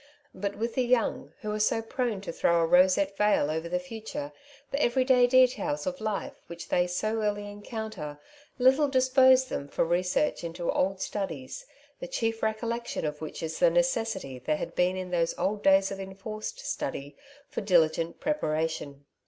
But with the young, who are so prone to throw a roseate veil over the future, the every day details of life which they so early encounter little dispose them for research into old studies, the chief recollection of which is the necessity there had been in those old days of enforced study, for diligent preparation.